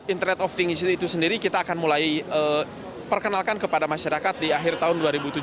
internet of thing itu sendiri kita akan mulai perkenalkan kepada masyarakat di akhir tahun dua ribu tujuh belas